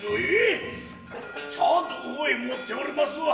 ちゃんとここへ持っておりますわ。